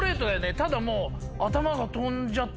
ただもう。